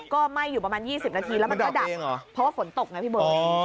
ก็ไหม้อยู่ประมาณ๒๐นาทีแล้วมันก็ดับเพราะว่าฝนตกไงพี่เบิร์ต